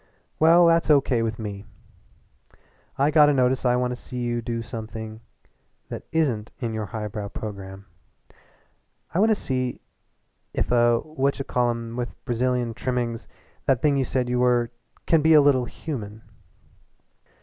"Well, that's O.K. with me. I got a notion I want to see you do something that isn't in your highbrow programme. I want to see if a what ch call em with Brazilian trimmings that thing you said you were can be a little human."